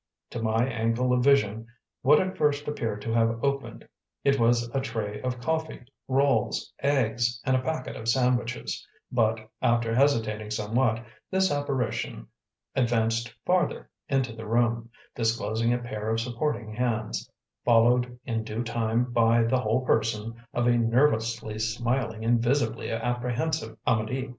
To my angle of vision what at first appeared to have opened it was a tray of coffee, rolls, eggs, and a packet of sandwiches, but, after hesitating somewhat, this apparition advanced farther into the room, disclosing a pair of supporting hands, followed in due time by the whole person of a nervously smiling and visibly apprehensive Amedee.